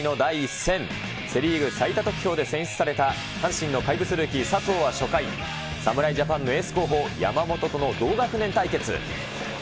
セ・リーグ最多得票で選出された阪神の怪物ルーキー、佐藤は初回、侍ジャパンのエース候補、山本との同学年対決。